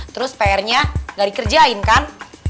terus pr nya gak dikerjain kan